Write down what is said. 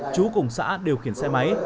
chú cùng xã điều khiển xe máy